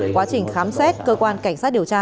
quá trình khám xét cơ quan cảnh sát điều tra